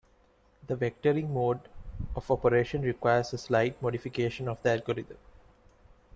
The vectoring-mode of operation requires a slight modification of the algorithm.